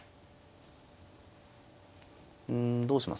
うんどうしますかね。